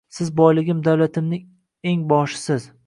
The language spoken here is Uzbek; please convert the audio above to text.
Siz boyligim davlatimning eng boshisiz